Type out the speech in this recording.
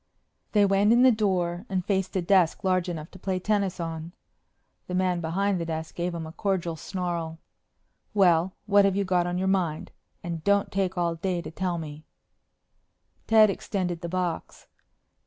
They went in the door and faced a desk large enough to play tennis on. The man behind the desk gave them a cordial snarl. "Well, what have you got on your mind? And don't take all day to tell me." Ted extended the box.